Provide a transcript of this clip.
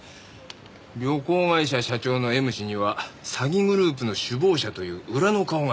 「旅行会社社長のＭ氏には詐欺グループの首謀者という裏の顔があった」